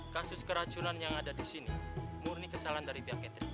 kasus keracunan yang ada di sini murni kesalahan dari pihak catering